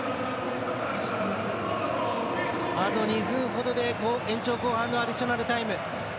あと２分ほどで延長後半のアディショナルタイム。